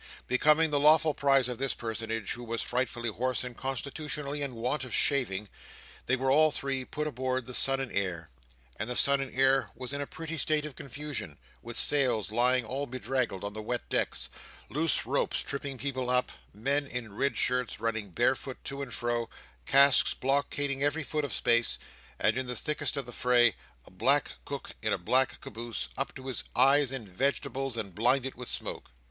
Becoming the lawful prize of this personage, who was frightfully hoarse and constitutionally in want of shaving, they were all three put aboard the Son and Heir. And the Son and Heir was in a pretty state of confusion, with sails lying all bedraggled on the wet decks, loose ropes tripping people up, men in red shirts running barefoot to and fro, casks blockading every foot of space, and, in the thickest of the fray, a black cook in a black caboose up to his eyes in vegetables and blinded with smoke.